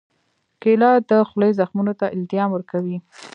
کېله د خولې زخمونو ته التیام ورکوي.